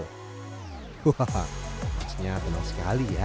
woh maksudnya tenang sekali ya